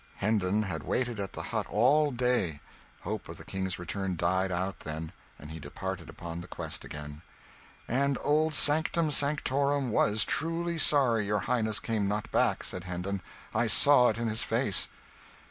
Hendon had waited at the hut all day; hope of the King's return died out, then, and he departed upon the quest again. "And old Sanctum Sanctorum was truly sorry your highness came not back," said Hendon; "I saw it in his face."